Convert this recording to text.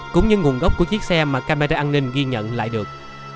cũng như nguồn gốc của chiếc xe mà camera an ninh ghi nhận lại được